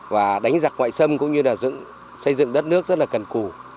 và đánh giặc ngoại sâm cũng như là xây dựng đất nước rất là cần củ